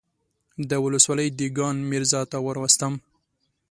د ولسوالۍ دېګان ميرزا ته وروستم.